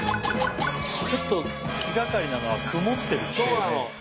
ちょっと気がかりなのは曇ってるっていうね。